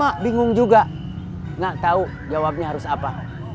bapak bingung juga gak tau jawabnya harus apa